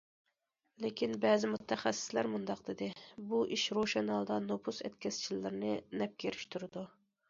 لېكىن بەزى مۇتەخەسسىسلەر مۇنداق دېدى: بۇ ئىش روشەن ھالدا نوپۇس ئەتكەسچىلىرىنى نەپكە ئېرىشتۈرىدۇ.